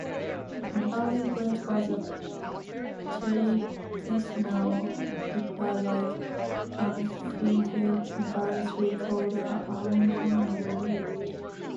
An early branch was the terrestrial reptile-like amphibians, variously called Anthracosauria or Reptiliomorpha.